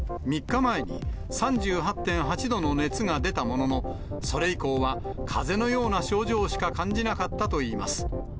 ３日前に、３８．８度の熱が出たものの、それ以降はかぜのような症状しか感じなかったといいます。